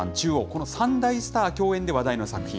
この３大スター共演で話題の作品。